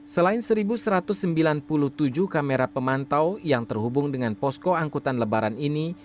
selain satu satu ratus sembilan puluh tujuh kamera pemantau yang terhubung dengan posko angkutan lebaran ini